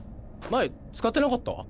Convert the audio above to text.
前使ってなかった？